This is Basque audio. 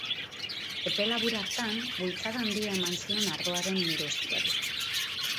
Epe labur hartan, bultzada handia eman zion ardoaren industriari.